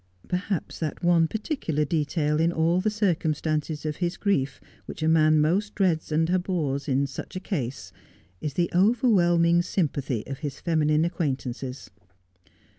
Perhaps that one particular detail in all the circumstances of his grief which a man most dreads and abhors in such a case is the overwhelming sympathy of his feminine acquaintances.